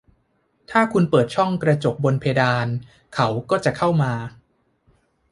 ถ้าคุณเปิดช่องกระจกบนเพดาน เขาก็จะเข้ามา